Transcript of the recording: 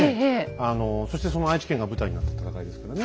あのそしてその愛知県が舞台になった戦いですからね。